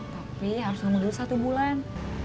tapi harus ngundur satu bulan